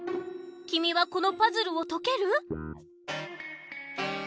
きみはこのパズルをとける？